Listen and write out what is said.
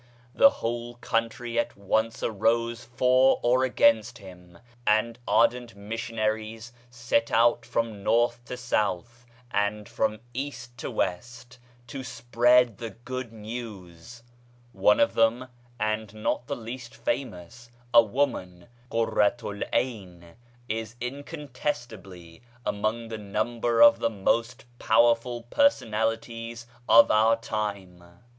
The whole country at once arose for or against him, and ardent missionaries set out from north to south, and from east to west, to spread the good news ; one of them, and not the least famous, a woman, Qurratu'l 'Ain, is incontestably among the number of the most powerful personalities of our time.